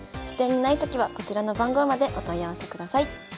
書店にないときはこちらの番号までお問い合わせください。